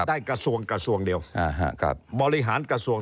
ได้กระทรวงบริหารกระทรวง